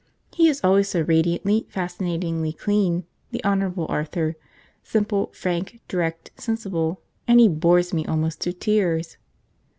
He is always so radiantly, fascinatingly clean, the Honourable Arthur, simple, frank, direct, sensible, and he bores me almost to tears.